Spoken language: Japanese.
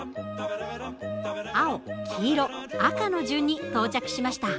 青黄色赤の順に到着しました。